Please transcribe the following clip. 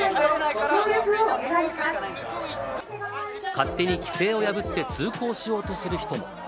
勝手に規制を破って通行しようとする人も。